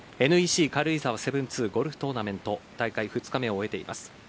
軽井沢７２ゴルフトーナメント大会２日目を終えています。